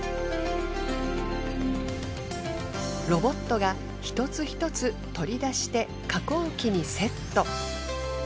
ロボットが一つ一つ取り出して加工機にセット。